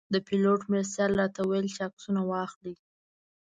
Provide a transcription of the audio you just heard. د پیلوټ مرستیال راته ویل چې عکسونه واخلئ.